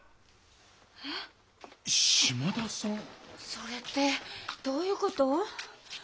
それってどういうこと？